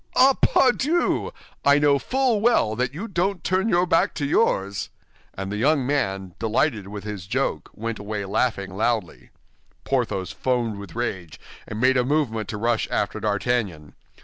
"Ah, pardieu! I know full well that you don't turn your back to yours." And the young man, delighted with his joke, went away laughing loudly. Porthos foamed with rage, and made a movement to rush after D'Artagnan.